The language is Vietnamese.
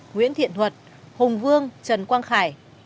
nguyễn thiện thuật hùng vương trần quang khải